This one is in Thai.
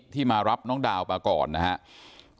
ที่มารับน้องดาวป่าก่อนนะฮะ